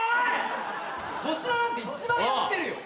粗品なんて一番やってるよ。